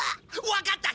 わかった！